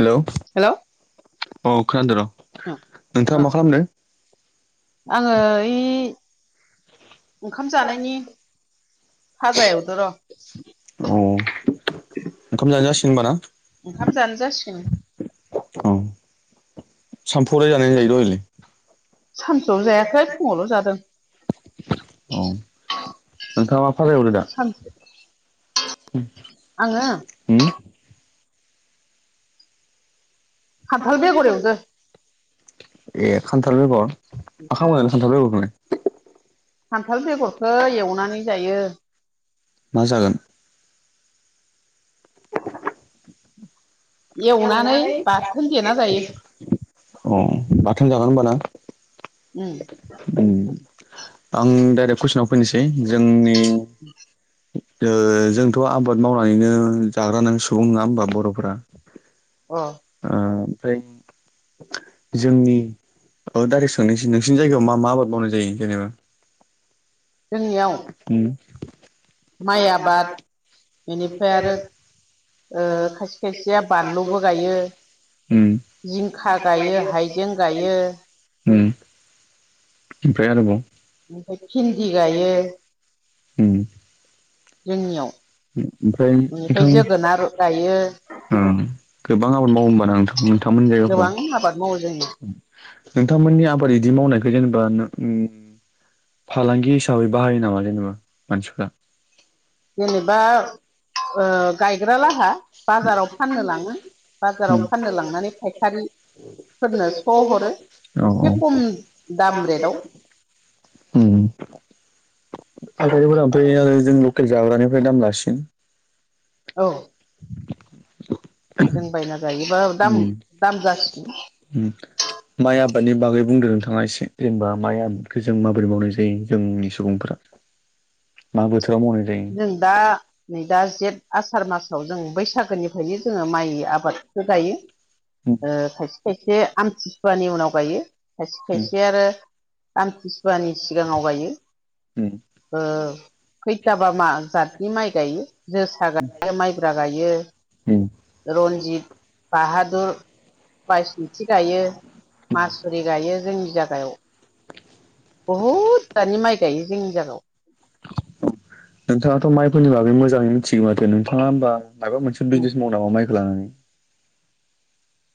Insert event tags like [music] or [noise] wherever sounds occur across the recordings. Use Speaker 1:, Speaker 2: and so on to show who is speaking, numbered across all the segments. Speaker 1: Hello औ खोनादों र'
Speaker 2: ओं
Speaker 1: नोंथाङा मा खालामदों?
Speaker 2: आंङो ओइ। ओंखाम जानायनि फाजा एवदो र'।
Speaker 1: अ ओंखाम जाजासिगोन होमबा ना।
Speaker 2: ओंखाम जानो जासिगोन।
Speaker 1: औ सामफु आवलाय जादोंना जायाखै दहायलाय।
Speaker 2: सानसुआव जायाखै फुंङावल जादों।
Speaker 1: अ नोंथाङा मा फाजा एवदो दा।
Speaker 2: आंङो।
Speaker 1: ओं।
Speaker 2: खान्थाल
Speaker 1: ए
Speaker 2: बेगर एवदो
Speaker 1: खान्थाल बेगर। मा खालामनो नागेरदो खान्थाल बेगरखौलाय।
Speaker 2: खान्थाल बेगरखौ एवनानै जायो।
Speaker 1: मा जागोन। एवनानै बाथोन देना जायो। अ बाथोन जागोन होनबा
Speaker 2: उम
Speaker 1: ना। आं डाइरेक्ट कुइसनाव फैनोसै जोंनि।
Speaker 2: उम।
Speaker 1: जोंथ' आबाद मावनानैनो जाग्रा नां सुबुं नङा होमबा बर'फोरा।
Speaker 2: अ।
Speaker 1: आ ओमफ्राय। जोंनि औ डाइरेक्ट सोंनोसै नोंसिनि जायगायाव मा मा आबाद मावनाय जायो जेनेबा। जोंनियाव उम।
Speaker 2: माइ आबाद बेनिफ्राय आरो। ओ खायसे खायसेया बानलुबो गायो।
Speaker 1: उम
Speaker 2: जिंखा गायो हाइजें गायो।
Speaker 1: उम। ओमफ्राय आरोबाव।
Speaker 2: ओमफ्राय भिन्दि गायो।
Speaker 1: उम।
Speaker 2: जोंनियाव
Speaker 1: ओमफ्राय
Speaker 2: बेनिफ्राय जोगोनार गायो।
Speaker 1: ओ गोबां आबाद मावो होमबा ना नोंथां नोंथांमोननि जायगाफोराव।
Speaker 2: गोबां आबाद मावो जोंनियाव
Speaker 1: नोंथांमोननि आबाद बिदि मावनायखौ जेनेबा उम। फालांगि हिसाबै बाहायो नामा जेनेबा मानसिफ्रा।
Speaker 2: जेनेबा ओ। गायग्रा लाहा बाजाराव फाननो लांङो बाजाराव फाननो लांनानै फायखारि। फोरनो स' हरो
Speaker 1: औ औ
Speaker 2: एसे खम दाम रेटआव।
Speaker 1: उम फायखारिफोरा आरो जों। जाग्रानिफ्राय दाम लासिगोन।
Speaker 2: औ। जों बायना जायोबा दाम
Speaker 1: उम
Speaker 2: दाम जासिगोन।
Speaker 1: उम। माइ आबादनि बागै बुंदों नोंथाङा एसे जेनेबा माइ आबादखौ जों माबोरै मावनाय जायो जोंनि सुबुंफोरा। मा बोथोराव मावनाय जायो।
Speaker 2: जों दा नै दा जेठ आसार मासाव जों बैसागोनिफ्रायनो जोङो माइ आबाद गायो
Speaker 1: उम
Speaker 2: खायसे खायसे आमथिसुवानि उनाव गायो खायसे
Speaker 1: उम
Speaker 2: खायसे आरो आमतसुवानि सिगाङाव गायो
Speaker 1: उम
Speaker 2: जाबा मा जातनि माइ गायो जोसा गायो माइब्रा गायो
Speaker 1: उम
Speaker 2: रन्जित बाहादुर बायसनिथि गायो मासुरि गायो जोंनि जागायाव बहुद दानि माइ गायो जोंनि जागायाव
Speaker 1: नोंथाङाथ माइफोरनि बागै मोजाङै मिथिगौ माथो नोंथाङा होमबा माबा मोनसे बिजनेस माव नाव माइखौ लानानै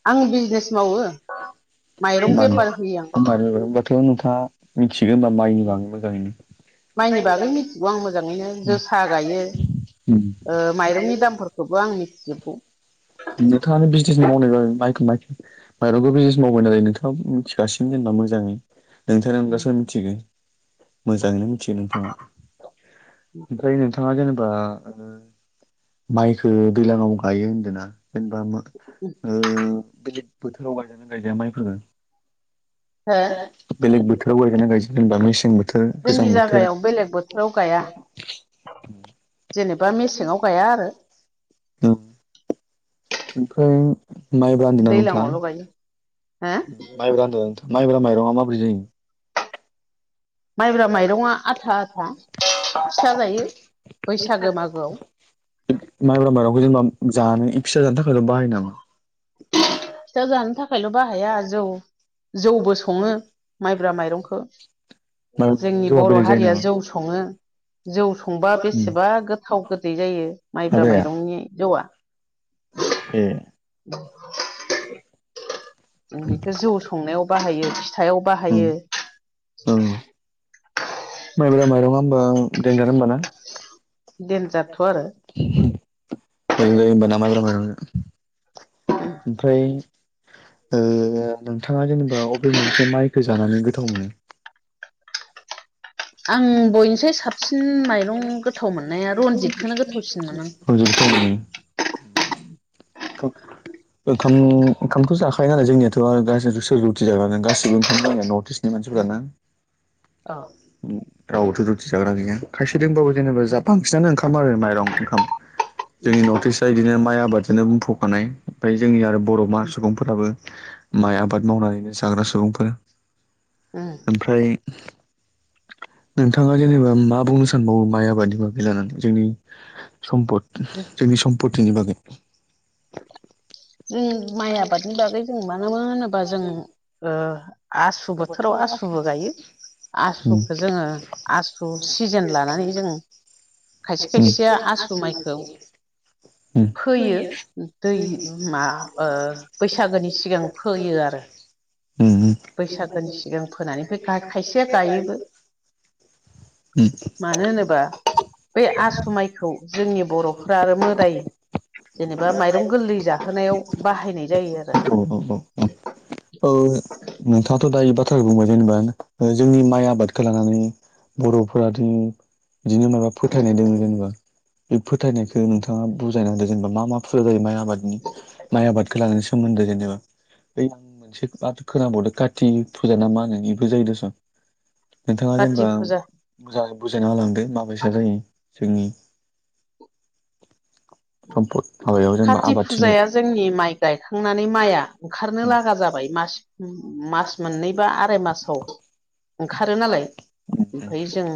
Speaker 2: आं बिजनेस
Speaker 1: [unintelligible]
Speaker 2: मावो
Speaker 1: मानि म
Speaker 2: माइरं
Speaker 1: आ
Speaker 2: बेफार होयो आं
Speaker 1: नोंथाङा मिथिगोन होनोमबा माइनि बागै मोजाङैनो
Speaker 2: माइनि बागै मिथिगौ आं मोजाङैनो जोसा गायो ऐ माइरंनि दामफोरखौबो आं मिथिजोबगौ
Speaker 1: नोंथाङानो बिजनेस मावनाय जाबाय माइखौ माइखौ माइरंखो बिजिनेस मावबाय नालाय नोंथाङा मिथिगासिनो जेनबा मोजाङै नोंथांनि अनगा सोर
Speaker 2: हो
Speaker 1: मिथिगोन मोजाङैनो मिथियो नोंथाङा ओमफ्राय नोंथाङा जेनेबा माइखो दैलाङाव गायो होनदोंना जेनेबा ओ बेलेग बोथोराव गायजानो गायजाया माइफोर बेलेग बोथाराव गायगोना गायजाया जेनेबा मेसें बोथ
Speaker 2: जोंनि जायगायाव बेलेग बोथ राव गाया जेनेबा मेसेङाव गाया आरो
Speaker 1: ओमफ्राय माइब्रा‌ होनदोंना नोथां
Speaker 2: दैलाङावल' गायो हो
Speaker 1: माइब्रा होनदों माइब्रा माइरङा माबोरै जायो
Speaker 2: माइब्रा माइरङा आथा आथा फिथा जायो बैसागो मागोआव
Speaker 1: माइब्रा माइरंखौ जेनेबा जानाय फिसा जानो थाखायल बाहायो नामा
Speaker 2: फिथाया जानो थाखायल बाहाया जौ जौबो सङो माइब्रा माइरंखौ
Speaker 1: माइब्रा माइरंनि
Speaker 2: जोंनि
Speaker 1: जौआ
Speaker 2: बर
Speaker 1: बेलेग जायो
Speaker 2: हारिया
Speaker 1: नामा
Speaker 2: जौ सङो जौ संबा
Speaker 1: उम
Speaker 2: बेसेबा गोथाव गोदै जायो माइब्रा
Speaker 1: माइब्राया
Speaker 2: माइरंनि जौआ
Speaker 1: ए
Speaker 2: बेखो जौ संनायाव बाहायो फिथाइाव
Speaker 1: उम
Speaker 2: बाहायो
Speaker 1: औ माइब्रा माइरङा होनबा देन्जार होमबाना मोजां
Speaker 2: देनजारथ' आरो
Speaker 1: जायो होमबाना माइब्रा मायरं जो ओमफ्राय ओ नोंथाङा जेनेबा अबे मोनसे माइखौ जानानै गोथाव मोनो
Speaker 2: आं बयनिसाय साबसिन माइरं गोथाव मोननाया रनजितखौनो गोथावसिन मोनो आं
Speaker 1: [unintelligible] गोथावमोनो [unintelligible] ओंखाम ओंखामथ जाखायो नालाय जोंनियाथ आरो सोर रुथि जागोन गासिबो ओंखाम जोंनिया नर्थ इस्ट नी मानसिफोरा ना
Speaker 2: अ
Speaker 1: रावबोथ रुथि जाग्रा गैया खायसे दोंबाबो जेनेबा जा बांसिनानो ओंखाम आरो माइरं ओंखाम जोंनि नर्थ इष्ट बिदिनो माइ आबादजोंनो बुंफखानाय ओमफ्राय जोंनि आरो बरमा सुबुंफोराबो माइ आबाद मावनानैनो जाग्रा सुबुंफोर
Speaker 2: अ
Speaker 1: ओमफ्राय नोंथाङा जेनेबा मा बुंनो सानबावो माइ आबादनि बागै लानानै जोंनि सम्पद जोंनि सम्पतिनि बागै
Speaker 2: जों माइ आबादनि बागै जों मानो मा होनोबा जों ओ आसु बोथोराव आसुबो गायो
Speaker 1: उम
Speaker 2: आसुखौो जोङो आसु सिजोन लानानै जों खायसे
Speaker 1: उम
Speaker 2: खायसेया आसु
Speaker 1: उम
Speaker 2: माइखौ फोयो दै मा बैसागोनि सिगां फोयो आरो
Speaker 1: उम
Speaker 2: बैसागो सिगां फोनानैफ्राय खायसेया गायोबो मानो होनोबा बे आसुमाइखौ जोंनि बर फोरा आरो मोदाय जेनेबा माइरं गोरलै जाहोनायाव बाहायनाय जायो आरो
Speaker 1: औ औ औ नोंथाङाथ' दा बाथ्राखौ बुंबाय जेनेबा जोंनि माइ आबादखौ लानानै बर'फोरा दिन बिदिनो माबा फोथायनाय दङ जेनेबा बे फोथायनायखौ नोंथाङा [unintelligible] मा मा फुा जायो म आब म आबखौ सोमोन्दो जेनेबा ब आं मोनसे म खोनाबावदों कति फुजा ना मा होनो बेबो जायो दस' नोंथाङा
Speaker 2: काति
Speaker 1: जेनेबा
Speaker 2: फुजा
Speaker 1: मोजाङ बुजायना हालांदो माबायसा जायो जोंनि समपद
Speaker 2: कात फुजाया जोंनि माइ गायखांनानै माइआ ओंखारनो लागा जाबाय मासे मास मोननै बा आराइ मासाव ओंखारो नालाय ओमफफ्राय जों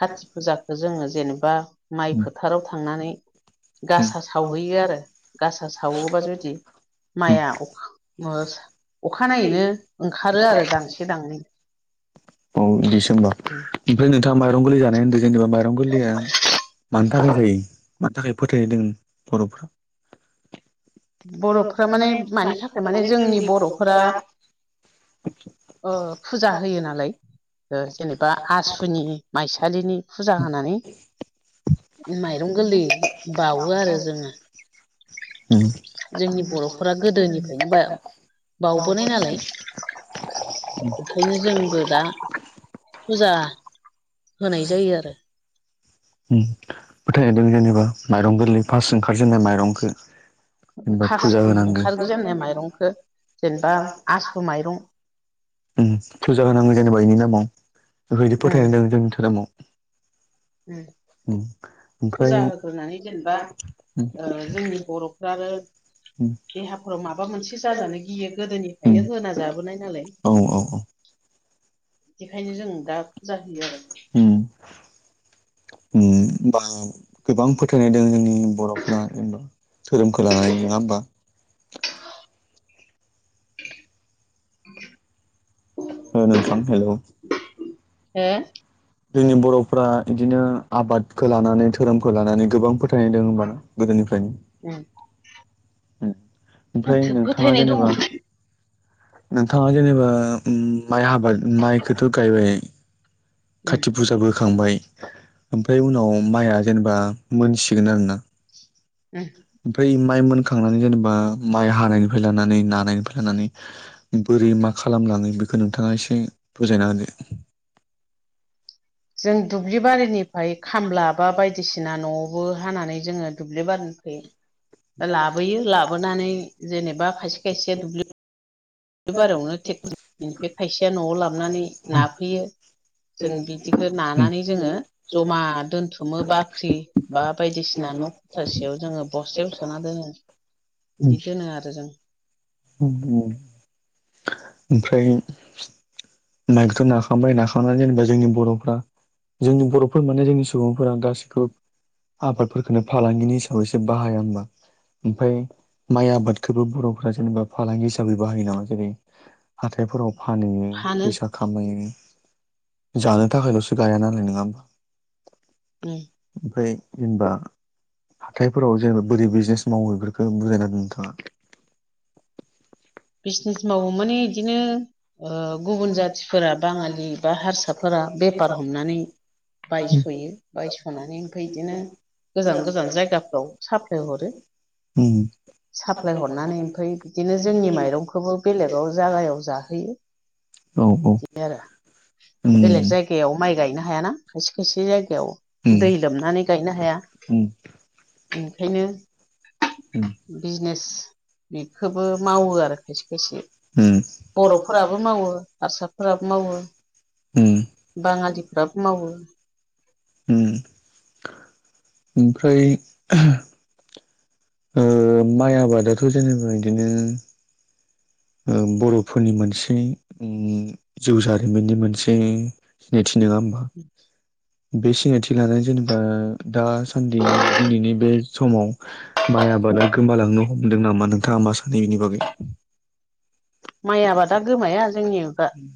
Speaker 2: कति फुजाखौ जोङो जेनेबा माइ फोथाराव थांनानै
Speaker 1: औ
Speaker 2: गासा सावहैयो आरो गासा सावोबा जुदि माइआखा अखानायनायैनो ओंखारो आरो दांसे दांनै
Speaker 1: औ डिसेम्बर ओमफ्राय नोंथाङा माइरं गोरै जानाय होन्दों जेनेबा माइरं गोरलया मानि थाखाय फै मानि थाखाय फोथायैदों बर'फ्रा
Speaker 2: बर'फोरा माने मानि थाखाय माने जोंनि बर'फोरा फुजा होयो नालाय जेनेबा आसुनि माइसालिनि फुजा होनानै माइरं गोरलै बावो आरो जोङो जोंनि बर'फोरा गोदोनिफ्रायनो बा
Speaker 1: [unintelligible] दाव
Speaker 2: बावबोनाय
Speaker 1: ब
Speaker 2: नालाय ओंखायनो जोंबो दा फुजा होनाय जायो आरो
Speaker 1: फोथायदों जेनेबा माइरं गोरलै फार्स्ट ओंखारजेननाय माइरंखौ जेनेबा फुजा
Speaker 2: फार्ट
Speaker 1: होनांगौ
Speaker 2: ओंखारगो जेननाय माइरंखौ जेनेबा आसु माइरं
Speaker 1: थुजा होनांगौ जेनेबा बेनि नामाव बेफोरबायदि
Speaker 2: उम
Speaker 1: फोथाय ददों जोंनि धोरोमाव
Speaker 2: उम
Speaker 1: ओमफ्राय
Speaker 2: फुजा होग्रोनानै जेनेबा ओ
Speaker 1: उम
Speaker 2: बे ह [unintelligible] माबा मोनसे जाजानो गियो गोदोनिफ्रायनो
Speaker 1: उम
Speaker 2: होना जाबोनाय नालाय
Speaker 1: औ औ
Speaker 2: बिखायनो जों दा फुजा होयो आरो
Speaker 1: बा गोबां फोथायनाय दं जोंनि बर'फोराना जेनबा धोरोमखौ लानानै नङा होमबा
Speaker 2: [unintelligible]
Speaker 1: नोंथां हेलौ
Speaker 2: [unintelligible]
Speaker 1: जोंनि बर'फ इदिनो आबादखौ लानानै धोरोमखौ लानानै गोबां फोथायनायदों होमबाना गोदोनिफ्रायनो
Speaker 2: उ
Speaker 1: ओमफ्राय नोंथाङा
Speaker 2: फोथायनाय दङ
Speaker 1: जेनेबा नोंथाङा जेनेबा माइ आबाद माइखौथ' गायबाय कत फुजाबो होखांबाय ओमफ्राय उनाव माइआ जेनेबा मोनसिगोन आरो ना
Speaker 2: [unintelligible]
Speaker 1: ओमफ्राय माइ मोनखांनानै जेनेबा माइ हानायनिफ्राय लानानै नानायनिफ्राय लानानै बोरै मा खालामलाङो बेखौ नोंथाङा एसे बुजायना होदो
Speaker 2: जों दुब्लि बारिनिफ्राय खामला बा बायदिसिना न'आवबो हानानै जोङो दुब्लि ला लाानै जेनेबा खायसे खसे द बे बारायावनो ट्रेक्टरनिफ्राय खायसेया न'आव लाबोनानै नाफैयो जों बिदिखौ नानानै जोङो जमा दोनथुमो बाख्रि बा बायदिसिना न' दुथासेयाव जोङो बस्थायायाव सोना दोनो
Speaker 1: [unintelligible]
Speaker 2: बिदि दोनो आरो जों
Speaker 1: [unintelligible] ओमफ्राय माइखौथ' नाखांबाय नाखांनानै जेनेबा जोंनि बर'फ्रा जोंनि बर'फोर माने जोंनि सुबुंफोरा गासिखौबो आबादफोरखौनो फालांगिनि हिसाबैसो बाहाया हबा ओमफ्राय माइ आबादखौबो बर'फ जेनेबा फालांगि हिसाबै बाहायो नामा जेरै हाथायफोराव फानहैयो
Speaker 2: फानो
Speaker 1: फैसा खामायो जानो थाखायल'सो गाया नालाय नङा हबा
Speaker 2: उ
Speaker 1: ओमफ्राय जेनेबा हाथायफोराव जेनेबा बोरै बिजनेस मावो बेफोरखौ बुजायना द नोंथाङा [unintelligible]
Speaker 2: बिजनेस मावो माने बिदिनो गुबुन जाथिफोरा बाङालि बा हारसाफोरा बेफार हमनानै बायस'यो बायस'नानै ओमफ्राय बिदिनो गोजान गोजान जायगाफ्राव साप्लाय हरो
Speaker 1: उम
Speaker 2: साप्लाय हरनानै ओमफफ्राय बिदिनो जोंनि माइरं खौबो बेलेगाव जागायाव जाहोयो
Speaker 1: औ
Speaker 2: बिदि आरो
Speaker 1: उम
Speaker 2: बेलेग जायगायाव माइ गायनो हायाना खायसे खायसे जायगायाव
Speaker 1: उम
Speaker 2: दै लोमनानै गायनो हाया
Speaker 1: उम
Speaker 2: ओंखायनो बिजनेस बेखौबो मावो आरो खायसे खायसे
Speaker 1: उम
Speaker 2: बर'फोराबो मावो हारसाफोराबो मावो
Speaker 1: उम
Speaker 2: बाङालिफ्राबो मावो
Speaker 1: ओमफ्राय माइ आबादाथ' जेनेबा बिदिनो बर'फोरनि मोनसे जिउ जारिमिननि मोनसे सिनायथि नङा होनोमबा
Speaker 2: द
Speaker 1: बे सिनायथि लानाय जेनेबा दासान्दि दिनैनि बे समाव माइ आबादा गोमालांनो हमदों नामा नोंथाङा मा सानो बिनि बागै
Speaker 2: माइ आबादा
Speaker 1: माबार
Speaker 2: गोमाया जोंनि दा
Speaker 1: म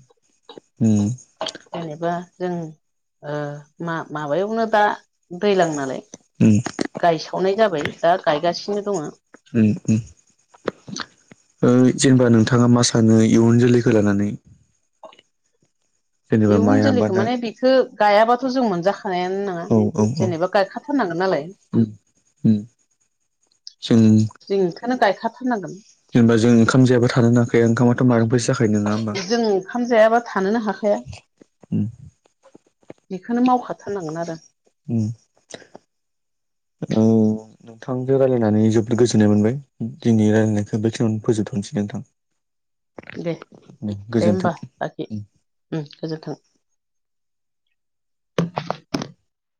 Speaker 2: जेनेबा जों मा माबायावनो दा दैज्लां नालाय
Speaker 1: उ
Speaker 2: गायसावनाय जाबाय दा गायगासिनो दङ
Speaker 1: उ उ जेनेबा नोंथाङा मा सानो इयुन जोलैखौ लानानै जेनेबा
Speaker 2: इयुन
Speaker 1: माइ
Speaker 2: जोलैखौ
Speaker 1: आबादा
Speaker 2: माने बेखौ गायाबाथ' जों मोनजाखानायानो नङा
Speaker 1: औ औ औ
Speaker 2: जेनेबा गायखा। फारनांगोन नालाय
Speaker 1: उम जों
Speaker 2: जों बेखौनो गायखाथारनांगोन
Speaker 1: जेनबा जों ओंखाम जाब थानो नाङाख ओंखामाथ' मबबो जाख नङा होमबा
Speaker 2: जों ओंखाम जायाबा थानोनो हाखाया
Speaker 1: उम
Speaker 2: बेखौनो मावखाथारनांगोन आरो
Speaker 1: उ औ नोंथांजों रायज्लायनानै जोोबद गोजोननाय मोनबाय दिनै रायलायनायखौ बेखिनियावनो फोजोबथ'नोसै नोंथां
Speaker 2: दे दे
Speaker 1: गोजोन्थों
Speaker 2: होम्बा लााखि गोजोन्थों